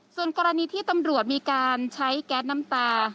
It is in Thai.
ส่วนกรณีที่ตำรวจมีการใช้แก๊สน้ำตา